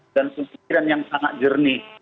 dan pemikiran yang sangat jernih